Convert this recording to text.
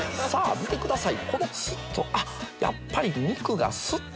見てください。